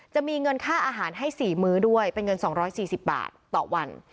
จะมีเงินค่าอาหารให้๔มื้อด้วยเป็นเงิน๒๔๐บาทต่อวัน